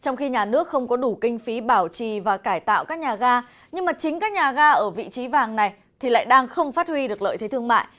nhưng mà chính các nhà ga ở vị trí vàng này thì lại đang không phát huy được lợi thế thương mại